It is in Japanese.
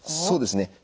そうですね。